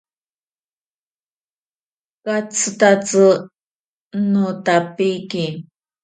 Katsitatsi notapiki.